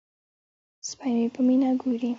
سپی مې په مینه ګوري.